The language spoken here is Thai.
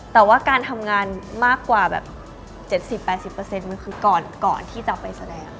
แต่ว่าการทำงานมากกว่าแบบ๗๐๘๐มันคือก่อนที่จะไปแสดง